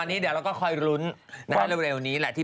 ฉีกนี้เลยเนี่ย